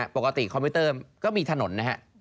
ปกติคอมพิวเตอร์ก็มีถนนนะครับ